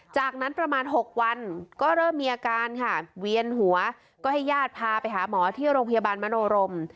จากนั้นประมาณ๖วันก็เริ่มมีอาการค่ะเวียนหัวก็ให้ญาติพาไปหาหมอที่โรงพยาบาลมโนรม